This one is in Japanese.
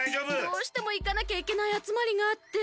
どうしてもいかなきゃいけないあつまりがあって。